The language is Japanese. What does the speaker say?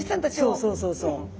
そうそうそうそう。